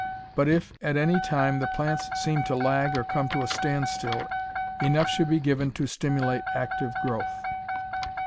But if, at any time, the plants seem to lag or come to a standstill enough should be given to stimulate active growth.